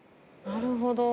なるほど。